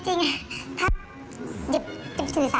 ก็ไม่รู้ว่าฟ้าจะระแวงพอพานหรือเปล่า